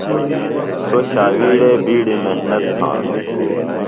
سوۡ ݜاوِیڑے بِیڈیۡ محنت تھانوۡ۔